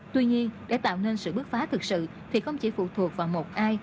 tuy nhiên để tạo nên sự bước phá thực sự thì không chỉ phụ thuộc vào một ai